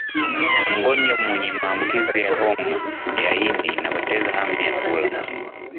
mgonjwa mwenye maambukizi ya homa ya ini anapoteza hamu ya kula